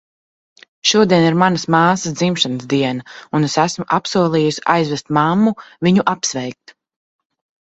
Šodien ir manas māsas dzimšanas diena, un es esmu apsolījusi aizvest mammu viņu apsveikt.